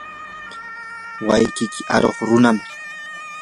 wawqiyki arukuq runam.